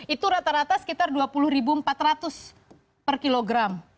itu rata rata sekitar rp dua puluh empat ratus per kilogram